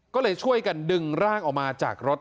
ก็เลยช่วยกันดึงร่างออกมาจากรถ